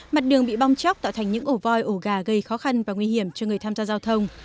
mặt đường bị bong chóc tạo thành những ổ voi ổ gà gây khó khăn và nguy hiểm cho người tham gia giao thông